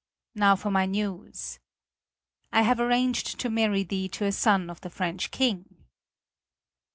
Now for my news. I have arranged to marry thee to a son of the French King!"